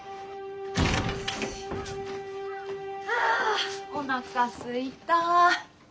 ああおなかすいた。